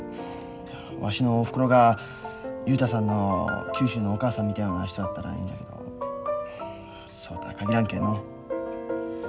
わしのおふくろが雄太さんの九州のお母さんみたいな人だったらいいんじゃけどそうとは限らんけえの。